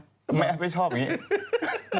ทำไมไม่ชอบอย่างนี้